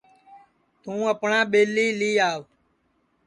توں اپٹؔا ٻیلی لی آو